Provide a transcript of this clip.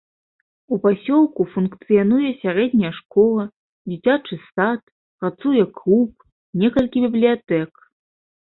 У пасёлку функцыянуе сярэдняя школа, дзіцячы сад, працуе клуб, некалькі бібліятэк.